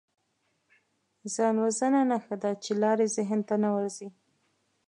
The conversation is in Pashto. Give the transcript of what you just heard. ځانوژنه نښه ده چې لارې ذهن ته نه ورځي